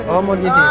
oh mau di sini